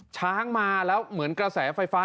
ช้างมาแล้วเหมือนกระแสไฟฟ้า